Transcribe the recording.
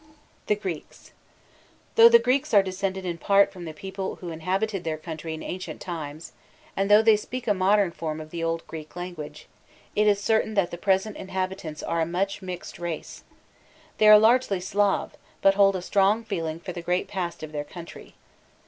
THE GREEKS. Though the Greeks are descended in part from the people who inhabited their country in ancient times, and though they speak a modern form of the old Greek language, it is certain that the present inhabitants are a much mixed race. They are largely Slav, but hold a strong feeling for the great past of their country.